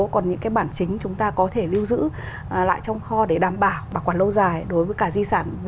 còn những cái bản chính chúng ta có thể lưu giữ lại trong kho để đảm bảo bảo quản lâu dài đối với cả di sản